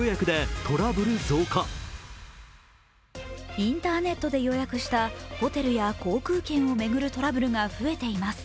インターネットで予約したホテルや航空券を巡るトラブルが増えています。